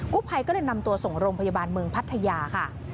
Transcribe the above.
ผู้ภัยก็เลยนำตัวส่งโรงพยาบาลเมืองพัทยาค่ะ